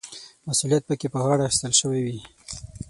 مسوولیت پکې په غاړه اخیستل شوی وي.